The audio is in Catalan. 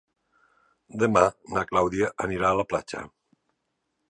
Demà na Clàudia anirà a la platja.